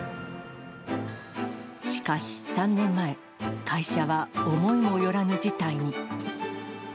しかし３年前、会社は思いもよらぬ事態に。